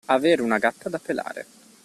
Avere una gatta da pelare.